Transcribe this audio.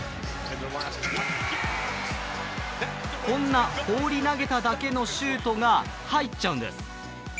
こんな放り投げただけのシュートが入っちゃうんです。